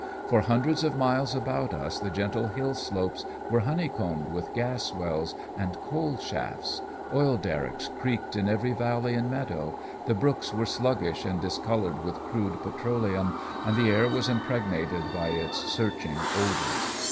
For hundreds of miles about us the gentle hill slopes were honeycombed with gas wells and coal shafts; oil derricks creaked in every valley and meadow; the brooks were sluggish and discolored with crude petroleum, and the air was impregnated by its searching odor.